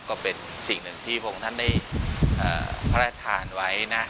ก็เป็นสิ่งหนึ่งที่พระองค์ท่านได้พระราชทานไว้นะ